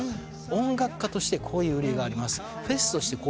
フェスとしてこういう理由があります。